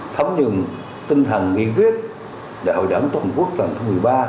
thấm nhường tinh thần nghị quyết đại hội đảng tổng quốc tầng thứ một mươi ba